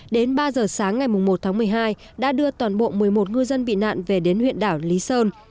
đến ba giờ sáng ngày một tháng một mươi hai đã đưa toàn bộ một mươi một ngư dân bị nạn về đến huyện đảo lý sơn